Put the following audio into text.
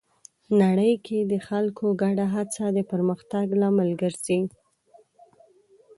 نړۍ کې د خلکو ګډه هڅه د پرمختګ لامل ګرځي.